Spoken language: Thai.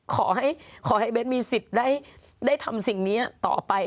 ขอให้เบ้นมีสิทธิ์ได้ทำสิ่งนี้ต่อไป